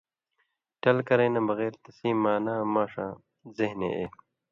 ٹل کرَیں نہ بغېر تسیں معنا ماݜاں ذہنے اے